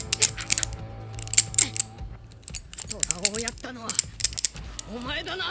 トラ男をやったのはお前だな！